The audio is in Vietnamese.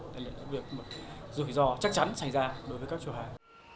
đây là một rủi ro chắc chắn xảy ra đối với các chủ hàng